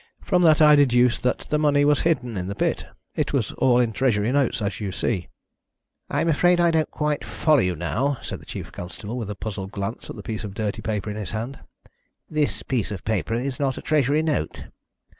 From that I deduced that the money was hidden in the pit. It was all in Treasury notes, as you see." "I'm afraid I don't quite follow you now," said the chief constable, with a puzzled glance at the piece of dirty paper in his hand. "This piece of paper is not a Treasury note."